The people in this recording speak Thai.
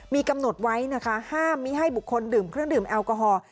มีกำหนดไว้นะคะห้ามมีให้บุคคลดื่มเครื่องดื่มแอลกอฮอล์